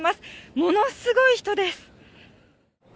ものすごい人です。